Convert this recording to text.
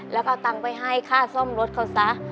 แล้วก็เอาตังค์ไปให้ค่าซ่อมรถเขาซะ